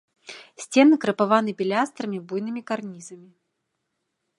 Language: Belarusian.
Сцены крапаваны пілястрамі, буйнымі карнізамі.